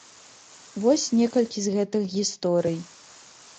Вось некалькі з гэтых гісторый.